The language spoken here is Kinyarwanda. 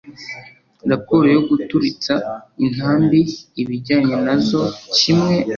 raporo yo guturitsa intambi n ibijyana na zo kimwe